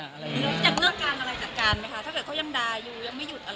อยากเลือกการอะไรจากการไหมคะ